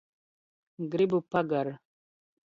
Gribu pagar